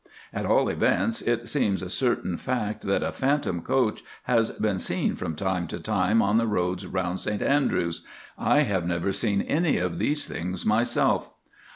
At all events, it seems a certain fact that a phantom coach has been seen from time to time on the roads round St Andrews. I have never seen any of these things myself."